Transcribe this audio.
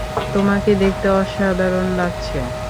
তোমাকে দেখতে অসাধারণ লাগছে!